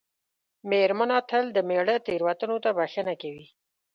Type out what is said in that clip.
مېرمنه تل د مېړه تېروتنو ته بښنه کوي.